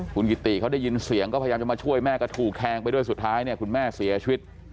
คุณกิติเขาได้ยินเสียงก็พยายามจะมาช่วยแม่ก็ถูกแทงไปด้วยสุดท้ายเนี่ยคุณแม่เสียชีวิต